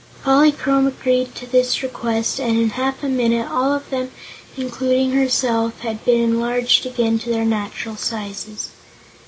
Polychrome agreed to this request and in half a minute all of them, including herself, had been enlarged again to their natural sizes.